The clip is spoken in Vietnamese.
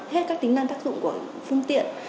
hết các tính năng tác dụng của phương tiện